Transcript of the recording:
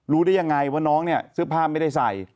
ได้ยังไงว่าน้องเนี่ยเสื้อผ้าไม่ได้ใส่